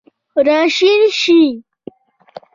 راشین شي